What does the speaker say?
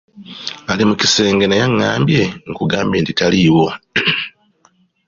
Ali mu kisenge naye angambye nkugambe nti taliiwo.